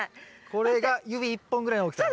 これが指１本ぐらいの大きさ。